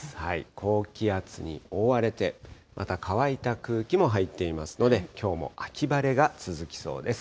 高気圧に覆われて、また乾いた空気も入っていますので、きょうも秋晴れが続きそうです。